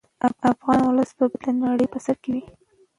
افغان ولس به بیا د نړۍ په سر کې وي.